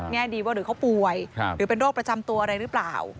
แง่ดีว่าหรือเขาป่วยหรือเป็นโรคประจำตัวอะไรหรือเปล่า